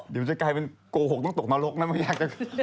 เดี๋ยวมันจะกลายเป็นโกหกต้องตกนรกนะไม่อยากจะ